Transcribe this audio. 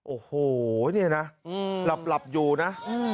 โอ้โหนี่นะหลับหลับอยู่นะ